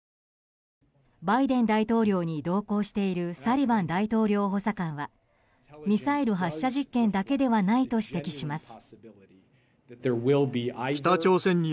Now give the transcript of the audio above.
バイデン大統領に同行しているサリバン大統領補佐官はミサイル発射実験だけではないと指摘します。